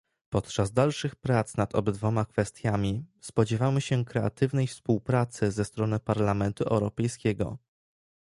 Podczas dalszych prac nad obydwoma kwestiami spodziewamy się kreatywnej współpracy ze strony Parlamentu Europejskiego